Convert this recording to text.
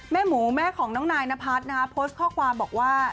หมูแม่ของน้องนายนพัฒน์นะฮะโพสต์ข้อความบอกว่า